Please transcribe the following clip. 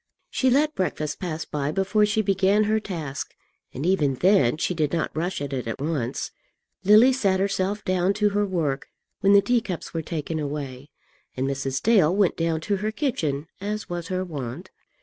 She let breakfast pass by before she began her task, and even then she did not rush at it at once. Lily sat herself down to her work when the teacups were taken away, and Mrs. Dale went down to her kitchen as was her wont.